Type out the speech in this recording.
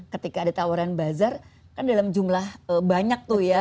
ketika ada tawaran bazar kan dalam jumlah banyak tuh ya